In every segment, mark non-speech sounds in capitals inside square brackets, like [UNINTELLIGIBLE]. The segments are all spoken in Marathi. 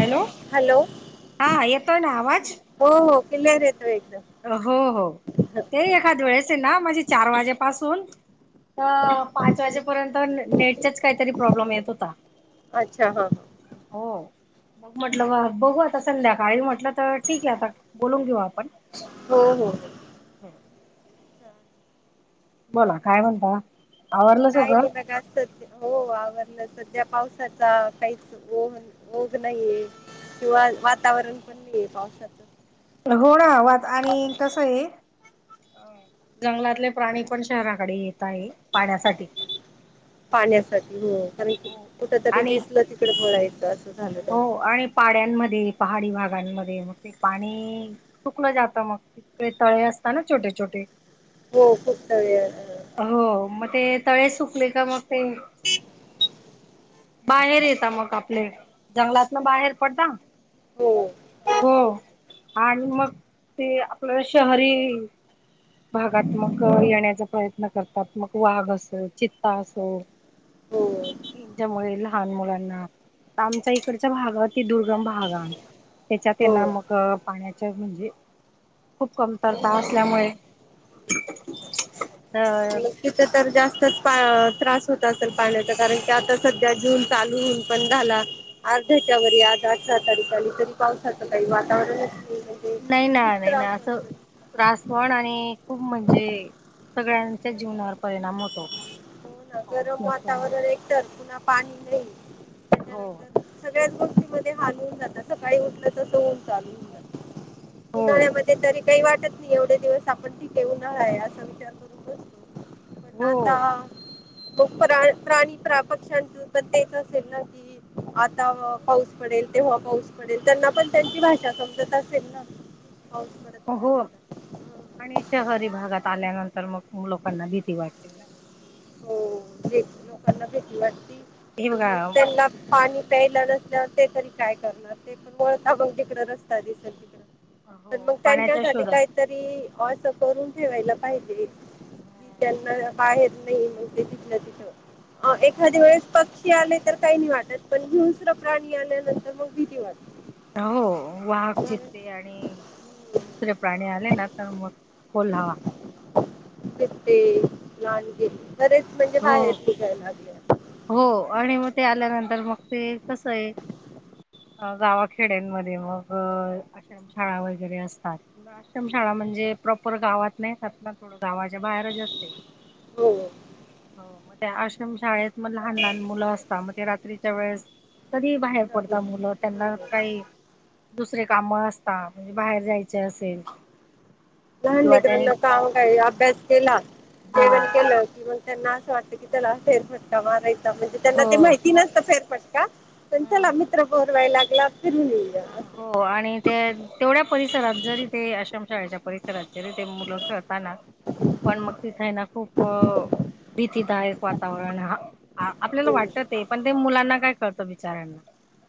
हॅलो हॅलो हा येतोय ना आवाज. हो हो क्लिअर येत हो हो ते एखाद वेळेस आहे ना म्हणजे चार वाजेपासून. अ पाच वाजेपर्यंत नेटच्या काहीतरी प्रॉब्लेम येत होता अच्छा हा हो मग हा म्हटलं बघू आता संध्याकाळी म्हटलं तर ठीक आहे आता बोलून घेऊ आपण. हो हो. बोला काय म्हणता? आवरलं काय सगळं तरी असतात हो आवरलं सगळं. ्या पावसाचा काहीच ओ ओघ नाहीये किंवा वातावरण पण नाहीये पावसाच. हो ना वा आणि कस आहे जंगलातले प्राणी पण शहराकडे येत आहे पाण्यासाठी पाण्यासाठी हो. आणि हो कुठ तरी आणि दिसलं तिकडे बोलायच. हो आणि पाड्यांमध्ये पहाडी भाग. पाड्यामध्ये मग ते पाणी सुकलं जातं मग तिकडे तळे असत ना छोटे छोटे. हो खूप तळे हो मग ते तळे सुकले का मग ते. [INAUDIBLE] बाहेर येत मग आपले. जंगलातन बाहेर पडता हो हो. आणि मग ते आपल शहरी. भागात मग येण्याचा प्रयत्न करतात मग वाघ असो, चित्ता असो. हो यांच्यामुळे ला लहान मुलांना आमच्या इकडच्या भागातील दुर्गम भाग हा. त्याच्यात हे ना हो मग पाण्याच म्हणजे खूप कमतरता असल्यामुळे तर हुं तिच तर जास्त तर पण त्रास होत असल पाण्याचा कारण की आता सध्या जून चालू हुन पण झाला अर्ध्याच्या व आज अठरा तारीख आली तरी पावसाचं काही वातावरणच नई नाही ना नाही ना असं त्रास पण आणि खूप म्हणजे सगळ्यांच्या जीवनावर परिणाम होतो हो पाऊस गरम वातावरण नसल्यामुळे एक तरर - पुन्हा पाणी नाई हो क्ती मध्ये हालवून जातात सकाळी उठलं तन चालून जात हो उन्हाळ्यामध्ये तरी ते वाटत नाही एवढे दिवस आपण ठीके ऊन्हाळाय असा विचार करून बसलो - बनाता हो मग प्रा प्रा प्राणी पक्ष्यांतून पण तेच असेल ना कि आता पाऊस पडेल तेव्हा पाऊस पडेल त्यांना पण त्यांची भाषा समजत असेल ना पडत हो नसेल तर आणि शहरी भागात आल्यानंतर मग लोकांना भीती वाटते ना हो जी लोकांना भीती वाटती हे आणि बघा मग त्यांना पाणी - प्यालं नसल्या ते तरी काय करणार ते पण वळता बग तिकड रस्ता दिसेल तिकड पण हो मग पाण्याच्या त्यांच्यासाठी शोधात काहीतरी - असं करून ठेवायला पाहिजे की ज्यांना आहेत नाही मग ते तिथलं तिथं एखाद्या वेळेस पक्षी आले तर काही नाही वाटत पण दुसरं प्राणी आल्यानंतर मग भिती वाटते हो वाग मला- हम्म. चितते आणि दुसरे प्राणी आले ना तर मग कोल्हा [INAUDIBLE] कती [UNINTELLIGIBLE] बरेच म्हणजे हो बाहेर नीघायला लागले. हो आणि मग ते आल्यानंतर मग ते कसय गावाखेड्यांमध्ये मग आश्रमशाळा वगैरे असतात, आश्रमशाळा म्हणजे प्रॉपर गावात नाहीेतात ना थोडं गावाच्या बाहेरच असते. हो. हो मग त्या आश्रमशाळेत. मग लहान लहान मुलं असतात, मग ते तीच्याच्या वेळेस - कधीही बाहेर बरोबर. पडता मुलं त्यांना हो. काई दुसरे काम असता, म्हणजे बाहेर जायचे असेल. लहान किंवा ते लेकरांला काम काही अभ्यास केला हो जेवण केलं कि - त्यांना असं वाटतं, की त्याला फेर फटका मारायचा - म्हणजे त्यांना हो ते माहिती नसतं फेर - [UNINTELLIGIBLE] चला हम्म मित्र ब [UNINTELLIGIBLE] लागला फिरून येऊ हो आणि ते तेवढ्या परिसरात, जरी ते आश्रमशाळेच्या परिसरात. जरी ते मुल खेळता ना पण मग तीथे ना खूप भीतीदायक वा. वातावरण हा आपल्याला हो वाटत. ते पण ते मुलांना काय कळतं बिचाऱ्याना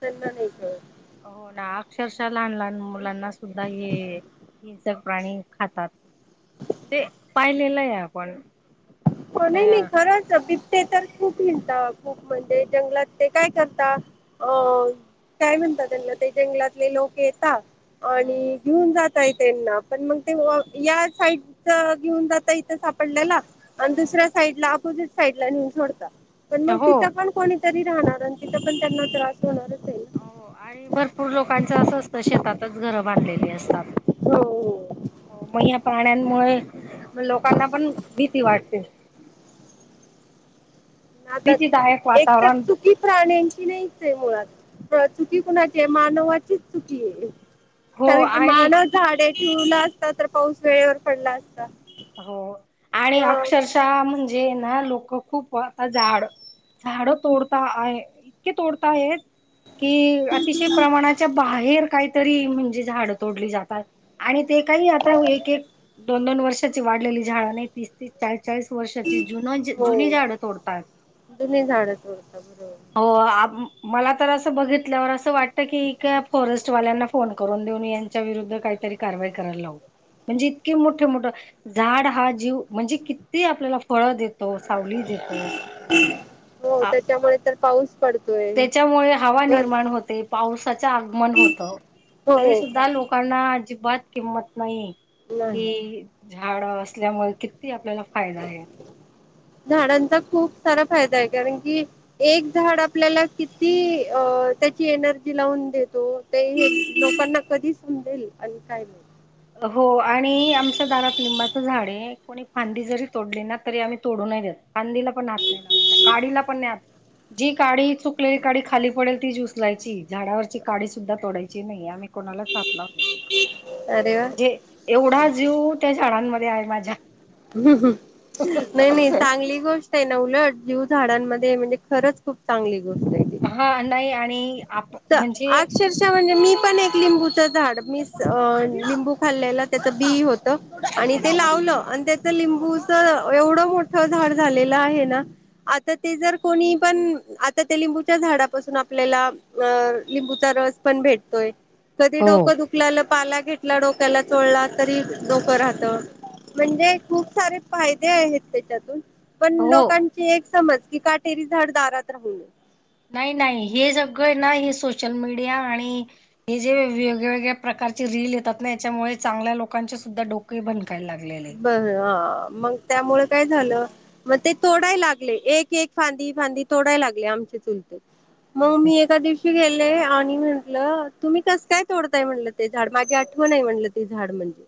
त्यांना नाही कळत. हो ना अक्षरशः लहान लहान मुलांना सुद्धा हे हिंसक प्राणी खातात, तेे पाहिलेलं आहे आपण हो नाही नाही हम्म खरंच ते तर खूप म्हणता खूप म्हणजे जंगलात ते काय करता अ काय म्हणता त्यांना ते जंगलातले लोक येता. आणि घेऊन जातय. त्यांना पण मग ते या साईडच घेऊन जाता इथं सापडल्याला आणि दुसऱ्या हम्म साइड ला अपोजिट साईड ला नेऊन सोडता. पण मग हो तिथ पण कोणीतरी. राहणार तिथ पण त्यांना त्रास होणारच. आहे हो आणि भरपूर लोकांच असं असतं शेतातच घरं बांधलेली असतात. हो मग हो. या प्राण्यांमुळे लोकांना पण भीती वाटते. आता भीतीदायक एक तर वातावरण चुकी प्रान्यांची नाहीच, आहे मुळात चुकी कोणा ते मानवाचीच चुकी आहे. हो अ आणि मानव झाडे जुनाच तर पाऊस वेळेवर पडला असता. हो आणि हा अक्षरशः म्हणजे जे ना लोक खूपता झाड झाड तोडता आहे. इतके तोडता आहेत. कि अतिशय प्रमाणाच्या बाहेर काय तरी म्हणजे झाड तोडली जातात. आणि ते काही आता एक एक दोन दोन वर्ष वाढलेली झाड नाही. तीस तीस चाळी चाळीस वर्षाची जुन जी जुनी हो झाडं तोडतात. जुनी झाडं तोडता बरोबर हो आ मला तर असं बघितल्यावर असं वाटतं. की फॉरेस्टवाल्यांना फोन करून देऊन यांच्या विरुद्ध काहीतरी कारवाई करायला लावू. म्हणजे इतके मोठे मोठं झाड हा जीव म्हणजे किती आपल्याला फळ देतो, सावली देतो, हो त्याच्यामुळे तर पाऊस पडतोय त्याच्यामुळे हवा बर निर्माण होते. पावसाच आगमन होत. तरी हो सुद्धा लोकांना अजबात किंमत नाही. नाही की झाड असल्यामुळे किती आपल्याला फायदा आहे. झाडांचा खूप सारा फायदा आहे कारण कि एक झाड आपल्याला किती अ तेची एनर्जी लावून देतो ते लोकांना कधी समजेल आणि काय नाही. हो आणि आमच्या दारात लिंबाच झाड हे कोणी फांदी जरी तोडली ना तरी आम्ही तोडू नाय देत. फादीला पण हात नाही लावायचा काढिला पण नाही हा जी काढी सुकलेली काडी खाली पडेल तिच उचलायची. झाडावरची काडी सुद्धा तोडायची ची नाही आम्ही कोणालाच हात लावून देत नाही. अरे वा म्हणजे एवढा जीव त्या झाडानंमध्ये आहे माझ्या नाही नाही चांगली गोष्ट आहे ना उलट जीव झाडांमध्ये म्हणजे खरंच खूप चांगली गोष्ट हा नाही आणि आप त् म्हणजे अक्षरश म्हणजे मी पण एक लिंबूच झाड मी लिंबू खालेलं तेच बि हो त आणि ते लावलं आणि ते त लिंबूच एवढं मोठं झाड झालेलं आहे ना आता ते जर कोणी पण आता त्या लिंबूच्या झाडापासून आपल्याला अ लिंबूचा रस पण भेटतोय. कधी हो डोकं दुखल्याल पाला घेतला डोक्याला चोळला तरी डोकं राहतं. म्हणजे खूप सारे फायदे आहेत तेच्यातून पण हो लोकांची एक समज की काटेरी झाड दारात राहू नये. नाही नाही हे सगळं ए ना हे सोशल मीडिया आणि हे जे वेगळवेगळ्या प्रकारचे रील येतात ना याच्यामुळे चांगल्या लोकांचे सुद्धा डोके बन बरं हा. मंग त्यामुळं काय झालं मग ते तोडाय लागले एक एक फांदी फांदी तोडाय लागले आमचे चुलते. मग आहेत. मी एका दिवशी गेले आणि म्ह ल तुम्ही कस काय तोडताय म्हणलं ते झाड माझी आठवण आहे म्हणलं ते झाड म्हणजे.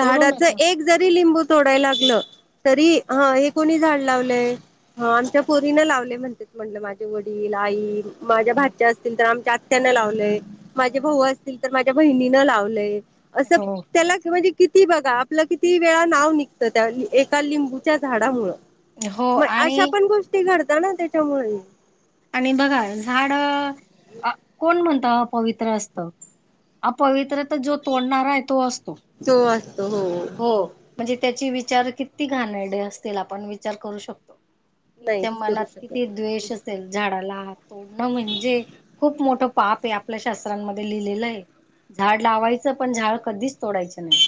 तोडू नका एक जरी लिंबू तोडाय लागलं तरी ह हे कोणी झाड लावलंय? हो आमच्या पोरीन लावले म्हण तेच म्हटलं माझे वडील आई माझ्या हम्म. भाच्या असतील तर आमच्या आत त्यानं लावलंय माझे हम्म. भाऊ असतील तर मा त्या बहिणीनं लावलय असं हो त्याला म्हणजे किती बघा आपलं किती वेळा नाव निघतं त्या एका लिंबूच्या झाडामुळं. हो म अशा आणि पण गोष्टी घड ता ना त्याच्यामुळे आणि बघा रक्त पवित्र असत [INAUDIBLE] ह पवित्र जो तोडणार आहे तो असतो. तो असतो हो हो म्हणजे त्याची विचार किती घाणेरडे असतील आपण विचार करू शकतो. नाहीच याच्या मनात करू किती शकत द्वेष अस झाडाला हा तोडणं म्हणजे खूप मोठं पाप आहे. आपल्या शास्त्रांमध्ये लिहिलेलं आहे. झाड लावायचं पण झाड कधीच तोडायचं नाही.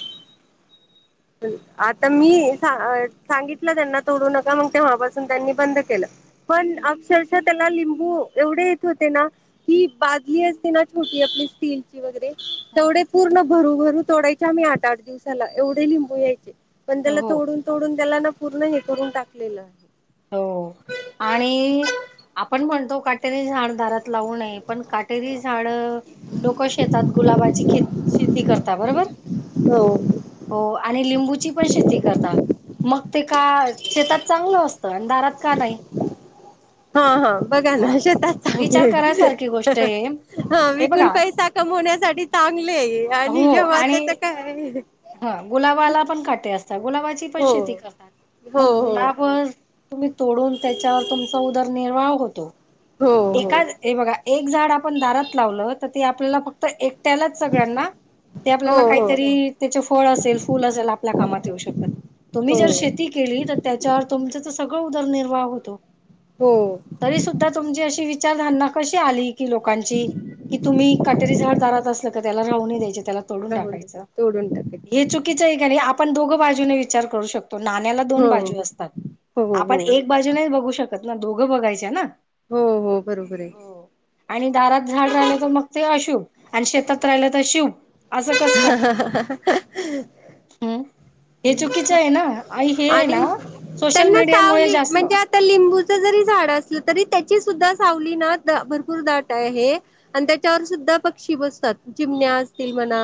आता मी सा अ सांगितलं त्यांना तोडू नका मंग तेव्हापासून त्यांनी बंद केलं. पण हम्म अक्षरशः त्याला लिंबू एवढे येत होते ना की बादली असते ना छोटी आपली स्टीलची वगैरे तेवढे हम्म. पूर्ण भरू भरू तेवढे आ मी आठ आठ दिवसाला एवढे लिबुं होय की. पण त्याला हो तोडून तोडून द्यायला नको? पूर्ण हे करून टाकलेलं आहे. हो आणि आपण म्हण तो काठीने झाडून दारात लावू नये, पण काटेरी झाड लोक शेतात गुलाबाची ख शेती करत बरोबर हो. हो आणि लिंबूची पण शेती करता मग ते का शेतात चांगलं असत सन दारात का नाही? हा हा. बघा हा, ना शेतात विचार चांगले, करायसारखी गोष्ट आहे हा हे विकून बघा पैसा कमवण्यासाठी चांगले आहे. आणि हो जेव्हा आणि त्याच काय आहे हा गुलाबाला पण काटे असतात, गुलाबाची पण हो शेती करतात, हो मग हो गुलाब तुम्ही तोडून त्याच्यावर तुमचा उदरनिर्वाह होत त. हो हो. एकाच हे बघा एक झाड आपण दारात लावलं तर, तेआपल्याला फक्त एक त्यालाच सगळ्यांना ते हो आपल्याला हो काहीतरी फळ असेल, फुल असेल आपल्या कामात येऊ शकतात, तुम्ही जर हो शेती केली त्याच्यावर तुमचं जस सगळं उदरनिर्वाह होतो. हो. तरी सुद्धा तुमची अशी विचारधारणा कशी आली? कि लोकांची कि तुम्ही कटेरी झाड दारात असलं क त्याला राहून द्यायचे त्याला तोडून राहून टाकायचं. तोडून टाकायचे हे चुकीचं आहे का नाही? आपण दोघं बाजूने विचार करू शकतो. तो नाण्याला दोन हो बाजू हो असतात, हो आपण हो एक बाजू नाही बघू शकतो त ना दोघं बघायच्या ना? हो आणि दारात झाड राहिलं तर मग ते अशुभ. आणि शेतात राहिला तर शुभ. असं कस का? [UNINTELLIGIBLE] हे चुकीचं आहे ना आई हे आणि ना सोशल त्यांना मीडियामुळे सावली जास्त म्हणजे आता लिंबूच जरी झाड असलं तरी त्याची सुद्धा सावलीना भरपूर दाट आहे आणि त्याची सुद्धा सावली ना भरपूर दाट आहे आणि त्याच्यावर सुद्धा पक्षी बसतात जिमण्या असतील म्हणा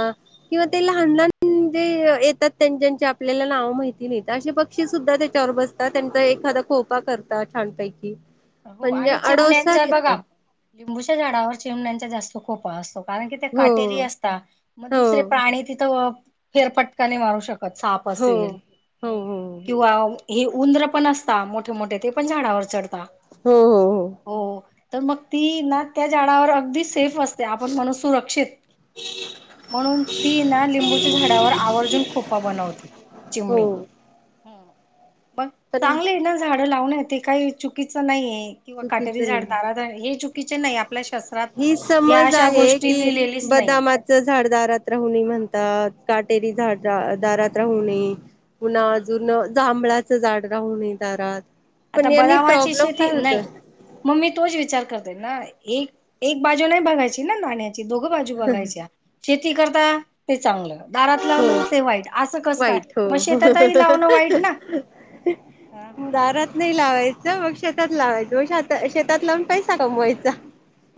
किंवा ते लहान लहान जे येतात त्यांच्या ते आपल्याला नाव माहिती नाहीत असे पक्षी सुद्धा त्याच्यावर बसतात त्यांचा एखादा खोपा करतात छानपैकी हो म्हणजे आणि आडोसा चिमण्यांच्या घेता बघा लिंबूच्या झाडावर चेमण्यांचा जास्त खोपा असतो कारण कि ते हो काटेरी असता मग दुसरे हो प्राणी तिथं फेरफटकाने मारू शकतो साप हो असेल हो हो किंवा हे उंदर पण असता मोठे मोठे ते पण झाडावर चढता हो हो हो तर मग ती ना त्या झाडावर अगदीच सेफ असते आपण म्हणून सुरक्षित म्हणून ती ना लिंबूच्या झाडावर आवर्जून खोपा बनवते चिमणी हो बघ पण चांगले आहे ना झाड लाव ते काही चुकी च नाहीये किंवा चुकीच काटेरी झाड नाही दारात हे चुकीचे नाही आपल्या शास्त्रात हि या समज अशा आहे गोष्टी कि लिहिलेलीच नाही बदामाच झाडदारात राहुणी म्हणतात काटेरी झाड दारात राहू नये पुन्हा अजून जांभळाचं झाड राहू नये दारात तर आता नेहमी बदामाची प्रॉब्लेम काय शेती होत नाही म्मी तोच विचार करते ना एक एक बाजूूनही भाघायची ना नाण्यात दोघं बाजू बघायच्या शेती करता ते चांगलं दारात हो लावलं ते वाईट असं कस काय वाईट मग हो शेतातही लावणं वाईट ना दारात नाही लावायचं मग शेतात लावायचं मग श शेतात ला पण पैसा कमवायचा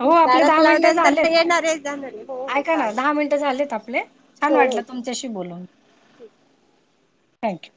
हो आपले दारात दहा मिनिट लावल्यानंतर झालेत येणारे जाणारे हो हो ऐका ना चालेल दहा मिनिट झालेत आपले छान हो वाटल हो तुमच्याशी बोलून [UNINTELLIGIBLE] थँक यू